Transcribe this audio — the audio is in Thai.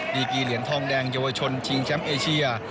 ดีกีเหรียญทองแดงเยาวชนชิงแชมป์เอเชีย